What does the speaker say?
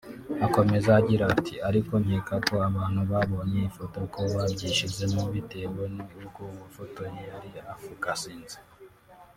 Akomeza agira ati “ Ariko nkeka ko abantu babonye ifoto ko babyishyizemo bitewe ni uko uwafotoye yari yafokasinze